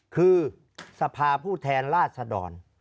คือสภาผู้แทนราชดร